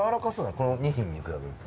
この２品に比べると。